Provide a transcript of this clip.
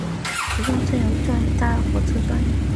途中由正定至北京一段乘搭了火车专列。